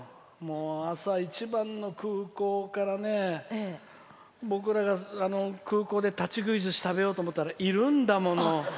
朝一番の空港から僕らが空港で立ち食いずし食べようと思ったらいるんだもの。